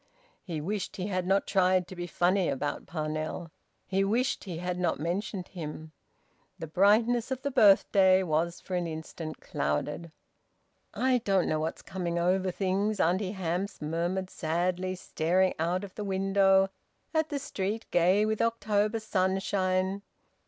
He wished he had not tried to be funny about Parnell; he wished he had not mentioned him. The brightness of the birthday was for an instant clouded. "I don't know what's coming over things!" Auntie Hamps murmured sadly, staring out of the window at the street gay with October sun shine.